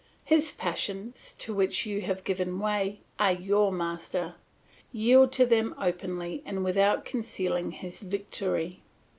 His passions, to which you have given way, are your master; yield to them openly and without concealing his victory.